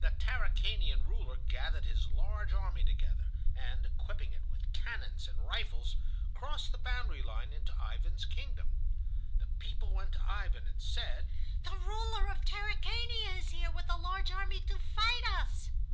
The Tarakanian ruler gathered his large army together, and equipping it with cannons and rifles, crossed the boundary line into Ivan's kingdom. The people went to Ivan and said: "The ruler of Tarakania is here with a large army to fight us."